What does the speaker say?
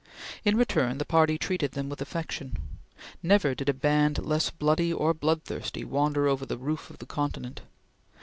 In return the party treated them with affection. Never did a band less bloody or bloodthirsty wander over the roof of the continent.